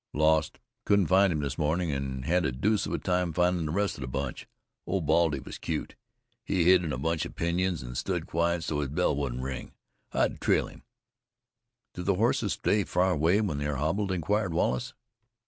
"Lost. Couldn't find him this morning, an' had a deuce of a time findin' the rest of the bunch. Old Baldy was cute. He hid in a bunch of pinyons an' stood quiet so his bell wouldn't ring. I had to trail him." "Do the horses stray far when they are hobbled?" inquired Wallace.